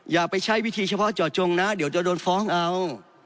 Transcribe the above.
อย่าไปใช้วิธีเฉพาะเจาะจงนะเดี๋ยวจะโดนฟ้องเอา